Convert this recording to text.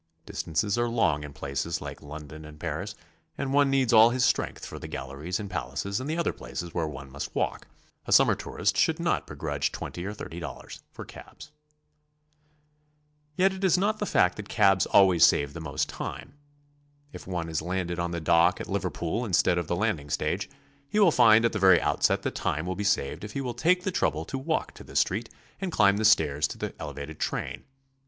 Distances are long in places like London and Paris, and one needs all his strength for the galleries and palaces and the other places where one must w^alk. A summer 'tourist should not begrudge twenty or thirty dollars for cabs. Yet it is not the fact that cabs always save the most time. HOW TO SEE. i8i If one is landed on the dock at Liverpool instead of the landing stage, he will find at the very outset that time will be saved if he will take the trouble to walk to the street and climb the stairs to the elevated train.